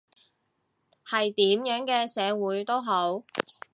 喺點樣嘅社會都好